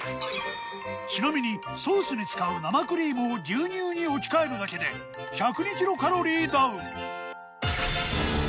ちなみにソースに使う生クリームを牛乳に置き換えるだけで１０２キロカロリーダウン。